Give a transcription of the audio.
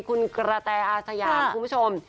คุณกระแตอาสยามคุณผู้ชม